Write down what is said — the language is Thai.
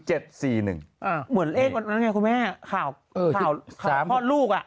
เหมือนเลขวันนั้นไงคุณแม่ข่าวพ่อลูก